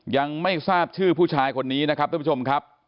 ยังไม่ทราบชื่อผู้ชายคนนี้นะครับท่านผู้ชมครับ